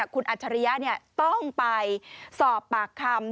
คุณอัจฉริยะต้องไปสอบปากคำ